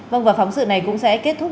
vâng và phóng sự này cũng sẽ kết thúc